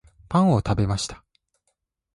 パンを食べました